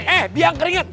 eh biang keringet